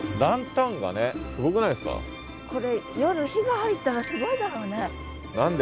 今回そのこれ夜火が入ったらすごいだろうね。